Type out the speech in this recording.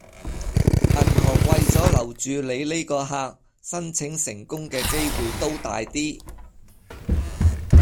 銀行為左留住你呢個客，申請成功嘅機會都大啲